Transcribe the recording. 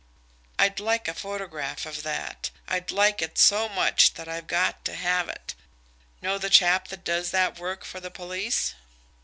"I'd like a photograph of that. I'd like it so much that I've got to have it. Know the chap that does that work for the police?"